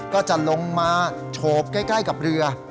ก็จะลงมาโฉบใกล้กับเรือ